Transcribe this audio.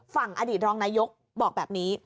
ฝั่งอดีตรองนายกบอกแบบนี้